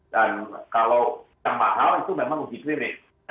dan kalau yang mahal itu memang mungkin klinik